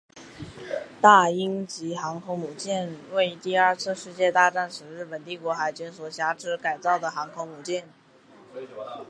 大鹰级航空母舰为第二次世界大战时日本帝国海军所辖之改造航空母舰。